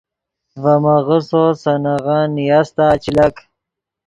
ڤے میغسّو سے نغن نیاستا چے لک